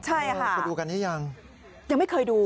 ใช่ค่ะคุณดูกันที่ยังสนุกมากคุณควรยังไม่เคยดู